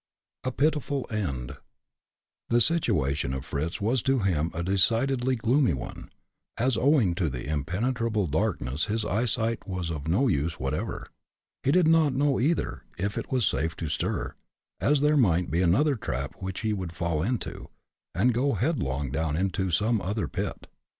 A PITIFUL END. The situation of Fritz was to him a decidedly gloomy one, as, owing to the impenetrable darkness his eyesight was of no use whatever. He did not know either, if it was safe to stir, as there might be another trap which he would fall into, and go headlong down into some other pit.